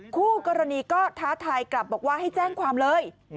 คู่กรณีก็ท้าทายกลับบอกว่าให้แจ้งความเลย